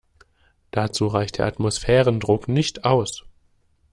Dazu reicht der Atmosphärendruck nicht aus.